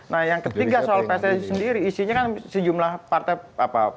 nah yang ketiga soal pssi sendiri isinya kan sejumlah partai apa